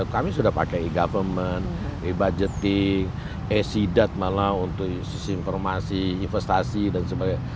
kami sudah pakai e government e budgeting acidat malah untuk sisi informasi investasi dan sebagainya